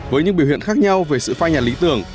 với những biểu hiện khác nhau về sự phai nhà lý tưởng